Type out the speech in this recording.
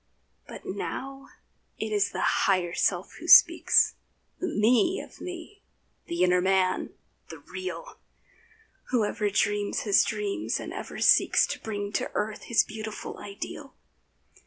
But now it is the Higher Self who speaks— The Me of me—the inner Man—the real— Whoever dreams his dream and ever seeks To bring to earth his beautiful ideal.